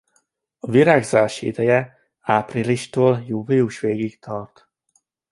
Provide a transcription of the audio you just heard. A virágzási ideje áprilistól július végéig tart.